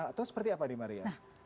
atau seperti apa di maria